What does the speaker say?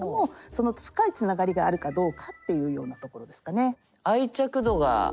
その深いつながりがあるかどうかっていうようなところですかね。